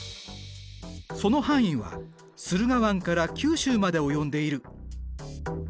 その範囲は駿河湾から九州まで及んでいる。